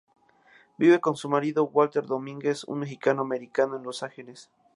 Vive con su marido, Walter Domínguez, un mexicano-americano en Los Ángeles.